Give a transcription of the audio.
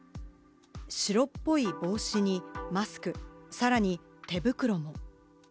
白っぽい帽子にマスク、さらに手袋も。